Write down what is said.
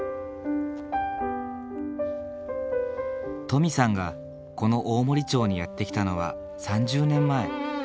登美さんがこの大森町にやって来たのは３０年前。